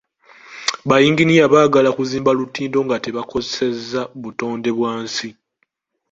Ba yinginiya baagala kuzimba lutindo nga tebakosezza butonde bwa nsi.